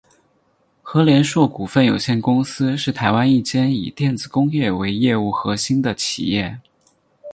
禾联硕股份有限公司是台湾一间以电子工业为业务核心的企业。